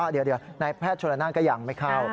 เดี๋ยวนายแพทย์โชลนานก็ยังไม่เข้า